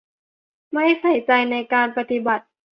ไม่ใส่ใจในการปฏิบัติ